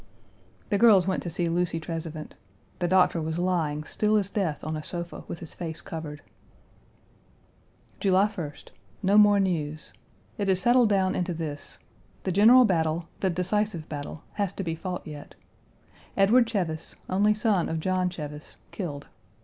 The girls went to see Lucy Trezevant. The doctor was lying still as death on a sofa with his face covered. Page 199 July 1st. No more news. It has settled down into this. The general battle, the decisive battle, has to be fought yet. Edward Cheves, only son of John Cheves, killed.